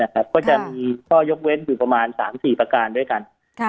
ก็จะมีข้อยกเว้นถึง๓๔ประการด้วยกัน